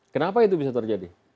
kenapa itu bisa terjadi